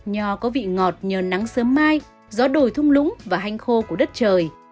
nho có vị ngọt nhờ nắng sớm mai gió đồi thung lũng và hanh khô của đất trời